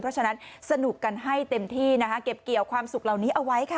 เพราะฉะนั้นสนุกกันให้เต็มที่นะคะเก็บเกี่ยวความสุขเหล่านี้เอาไว้ค่ะ